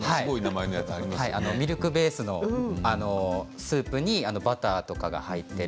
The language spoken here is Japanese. ミルクベースのスープにバターとかが入っている。